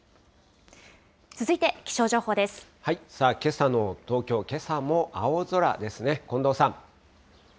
さあ、けさの東京、けさも青空ですね、近藤さん。